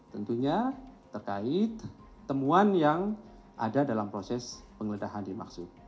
tentunya terkait temuan yang ada dalam proses penggeledahan dimaksud